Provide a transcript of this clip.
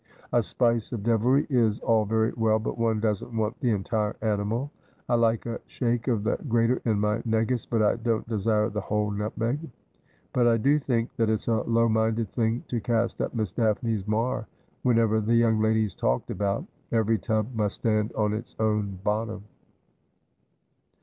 A spice of devilry is all very well, but one doesn't want the entire animal. I like a shake of the grater in my negus, but I don't desire the whole nutmeg. But I do think that it's a low minded thing to cast up Miss Daphne's mar whenever the young lady's talked about. Every tub must stand on its own bottom.'